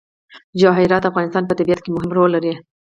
جواهرات د افغانستان په طبیعت کې مهم رول لري.